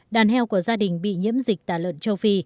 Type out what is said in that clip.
đàn heo của gia đình bị nhiễm dịch tả lợn châu phi